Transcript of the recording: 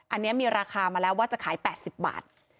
อันนี้มีราคามาแล้วว่าจะขาย๘๐บาท